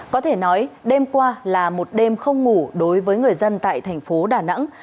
có thể nói đêm qua là một đêm không ngủ đối với người dân tại thành phố đà nẵng